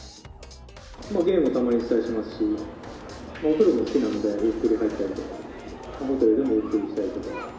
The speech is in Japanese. ゲームもたまにしたりしますし、お風呂も好きなのでゆっくり入ったりとか、ホテルでもゆっくりしたりとか。